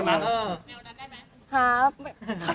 รอเนื้อนั้นได้มั้ย